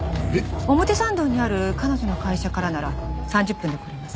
表参道にある彼女の会社からなら３０分で来れます。